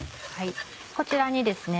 こちらにですね